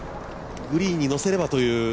グリーンにのせればという。